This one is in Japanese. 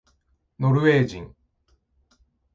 ノルウェー人